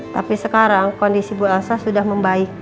tapi sekarang kondisi bu elsa sudah membaik